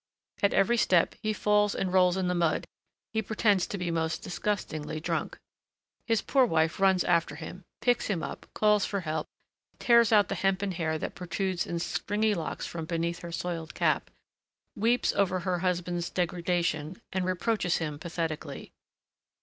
At every step, he falls and rolls in the mud; he pretends to be most disgustingly drunk. His poor wife runs after him, picks him up, calls for help, tears out the hempen hair that protrudes in stringy locks from beneath her soiled cap, weeps over her husband's degradation, and reproaches him pathetically.